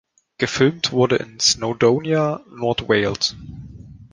Gefilmt wurde in Snowdonia, Nordwales.